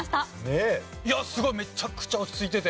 いやすごいめちゃくちゃ落ち着いてて。